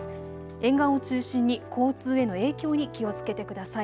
沿岸を中心に交通への影響に気をつけてください。